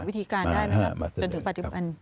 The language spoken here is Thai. วิธีการได้ไหมครับจนถึงปัจจุบัน